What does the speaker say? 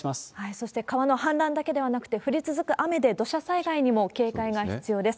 そして川の氾濫だけではなくて、降り続く雨で、土砂災害にも警戒が必要です。